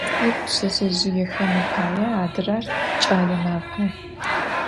Zır pşseşsezjıêxem apaê, adrer ç'aleme apay.